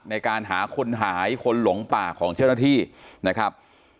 ในการหาคนหายคนหลงป่าของเจ้าหน้าที่นะครับ